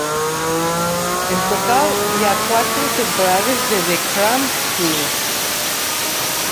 En total hi ha quatre temporades de "The Cramp Twins".